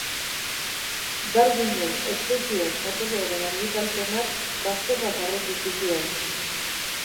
Darwinen Espezieen jatorria-ren argitalpenak bazterrak harrotu zituen